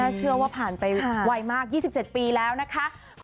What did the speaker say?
เชื่อว่าผ่านไปไวมาก๒๗ปีแล้วนะคะ